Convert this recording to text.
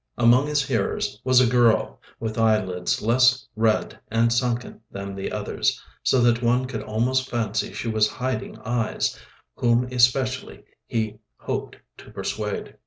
Among his hearers was a girl, with eyelids less red and sunken than the others, so that one could almost fancy she was hiding eyes, whom especially he hoped to persuade.